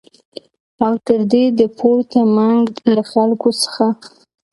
او تر دې د پورته منګ له خلکو څخه